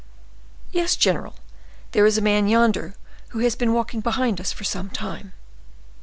"Yes, general, there is a man yonder who has been walking behind us for some time."